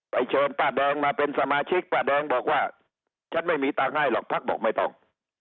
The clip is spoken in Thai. เชิญป้าแดงมาเป็นสมาชิกป้าแดงบอกว่าฉันไม่มีตังค์ให้หรอกพักบอกไม่ต้อง